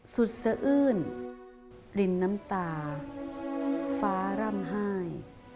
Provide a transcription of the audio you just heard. สะอื้นรินน้ำตาฟ้าร่ำไห้